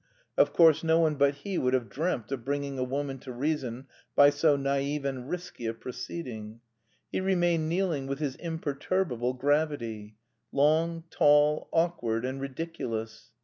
Of course no one but he would have dreamt of bringing a woman to reason by so naïve and risky a proceeding. He remained kneeling with his imperturbable gravity long, tall, awkward, and ridiculous.